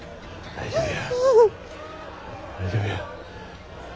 大丈夫や。